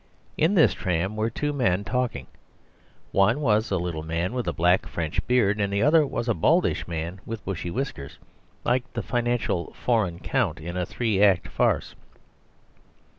In this tram there were two men talking; one was a little man with a black French beard; the other was a baldish man with bushy whiskers, like the financial foreign count in a three act farce.